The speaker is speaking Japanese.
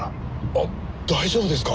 あっ大丈夫ですか？